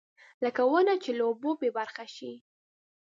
لکه ونه چې له اوبو بېبرخې شي.